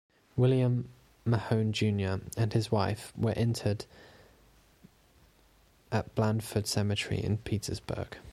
William Mahone Junior and his wife were interred at Blandford Cemetery in Petersburg.